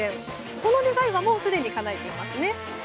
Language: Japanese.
この願いはもうすでにかなえていますね。